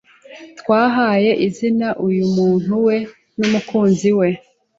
twahaye izina uyu muntu we n 'umukunzi we